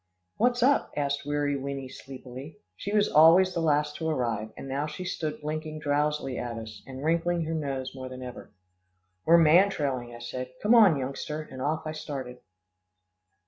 "What's up?" asked Weary Winnie sleepily. She was always the last to arrive, and now she stood blinking drowsily at us, and wrinkling her nose more than ever. "We're man trailing," I said; "come on, youngster," and off I started.